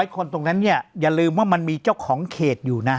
คนตรงนั้นเนี่ยอย่าลืมว่ามันมีเจ้าของเขตอยู่นะ